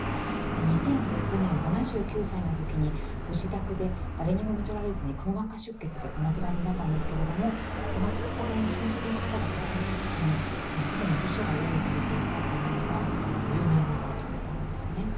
２００６年７９歳の時にご自宅で誰にもみとられずにくも膜下出血でお亡くなりになったんですけれどもその２日後に親戚の方が発見した時に既に遺書が用意されていたというのは有名なエピソードなんですね。